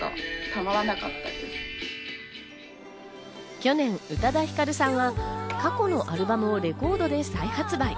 去年、宇多田ヒカルさんは過去のアルバムをレコードで再発売。